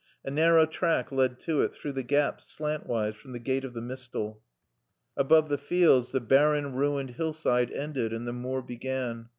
A narrow track led to it, through the gaps, slantwise, from the gate of the mistal. Above the fields the barren, ruined hillside ended and the moor began.